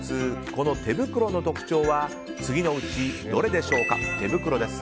この手袋の特徴は次のうちどれでしょうか？